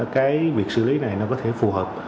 cái việc xử lý này nó có thể phù hợp